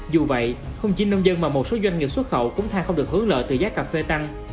dù vậy không chỉ nông dân mà một số doanh nghiệp xuất khẩu cũng thang không được hướng lợi từ giá cà phê tăng